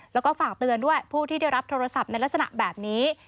แล้วก็ฝากเตือนด้วยผู้ที่ได้รับโทรศัพท์ในลักษณะแบบนี้